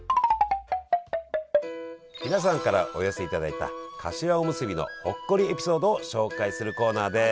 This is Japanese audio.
皆さんからお寄せいただいたかしわおむすびのほっこりエピソードを紹介するコーナーです！